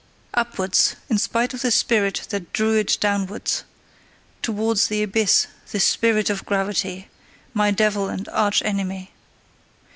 Upwards: in spite of the spirit that drew it downwards, towards the abyss, the spirit of gravity, my devil and arch enemy.